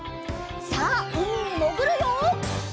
さあうみにもぐるよ！